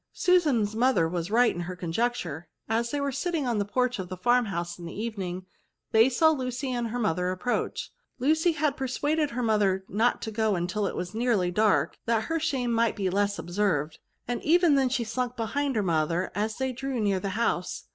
Susan's mother was right in her conjecture; as they were sitting in the porch of the fitrmhouse in the evening, they saw Lucy and her mother approach* Lucy had per suaded her mother not to go till it was nearly dark, that her shame might be less observed ; and even then she slunk behind her mother as they drew near the house.